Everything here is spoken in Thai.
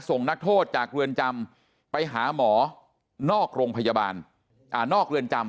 นักโทษจากเรือนจำไปหาหมอนอกโรงพยาบาลนอกเรือนจำ